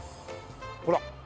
ほら。